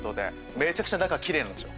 めちゃくちゃ中きれいなんですよ。